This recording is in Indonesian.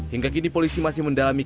hingga kini polisi masih mendalami